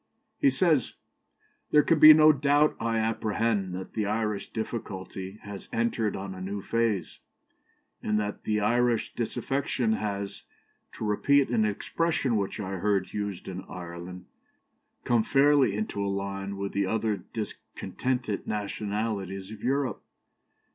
He says "There can be no doubt, I apprehend, that the Irish difficulty has entered on a new phase, and that Irish disaffection has, to repeat an expression which I heard used in Ireland, come fairly into a line with the other discontented nationalities of Europe.